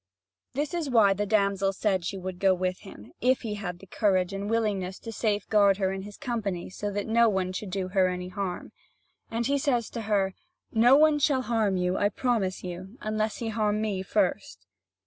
This is why the damsel said she would go with him, if he had the courage and willingness to safe guard her in his company, so that no one should do her any harm. And he says to her: "No one shall harm you, I promise you, unless he harm me first."